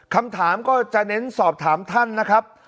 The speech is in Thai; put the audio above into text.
คำถามก็จะเน้นสอบถามท่านนะครับ